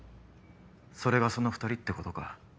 それがその２人ってことか。